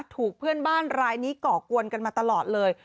ถูกเพื่อนบ้านรายนี้ก่อกวนกันมาตลอดเลย